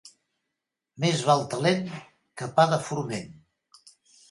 Més val talent que pa de forment.